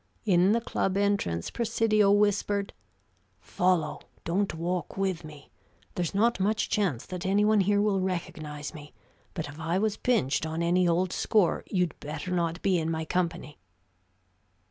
In the club entrance Presidio whispered, "Follow; don't walk with me. There's not much chance that any one here will recognize me, but if I was pinched on any old score you'd better not be in my company."